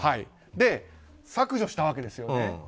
削除したわけですよね。